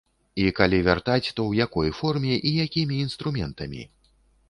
І калі вяртаць, то ў якой форме і якімі інструментамі?